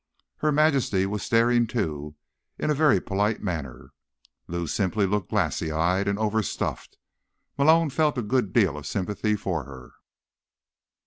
Her Majesty was staring, too, in a very polite manner. Lou simply looked glassy eyed and overstuffed. Malone felt a good deal of sympathy for her.